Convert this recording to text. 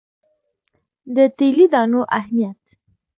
د تیلي دانو اهمیت.